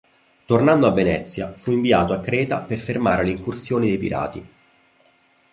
Tornando a Venezia, fu inviato a Creta per fermare le incursioni dei pirati.